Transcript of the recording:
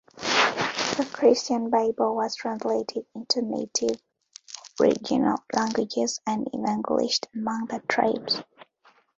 The Christian Bible was translated into native aboriginal languages and evangelised among the tribes.